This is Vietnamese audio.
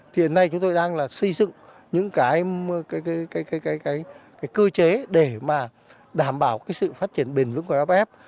thì hôm nay chúng tôi đang xây dựng những cơ chế để đảm bảo sự phát triển bền vững của mff